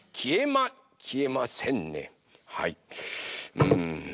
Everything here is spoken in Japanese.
うん。